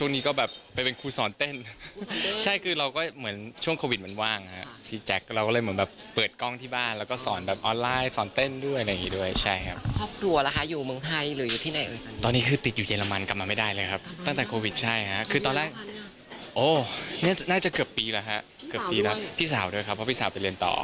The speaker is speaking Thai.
นี่น่าจะเกือบปีหรอครับพี่สาวด้วยครับเพราะพี่สาวไปเรียนต่อ